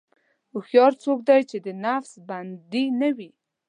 هوښیار څوک دی چې د نفس بندي نه وي.